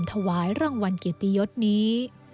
ถวายรางวัลเกียรติยศนี้